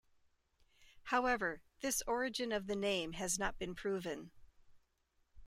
However, this origin of the name has not been proven.